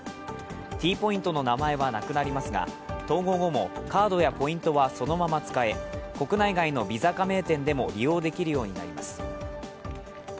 Ｔポイントの名前はなくなりますが統合後もカードやポイントはそのまま使え国内外のＶｉｓａ加盟店でも利用できるようになります。